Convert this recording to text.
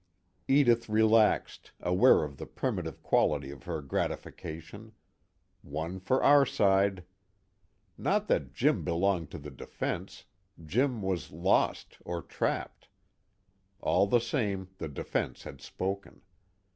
Edith relaxed, aware of the primitive quality of her gratification: one for our side. Not that Jim belonged to the defense Jim was lost, or trapped. All the same, the defense had spoken.